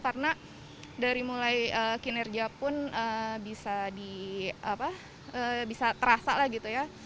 karena dari mulai kinerja pun bisa terasa lah gitu ya